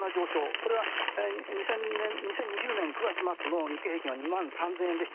これは２０２０年九月末の日経平均は２３０００円。